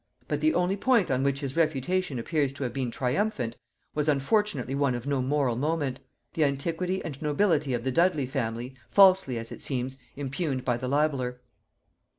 But the only point on which his refutation appears to have been triumphant, was unfortunately one of no moral moment, the antiquity and nobility of the Dudley family, falsely, as it seems, impugned by the libeller.